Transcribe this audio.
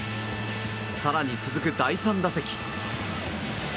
更に続く第３打席。